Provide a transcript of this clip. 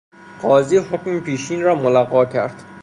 قاضی حکم پیشین را ملغی کرد.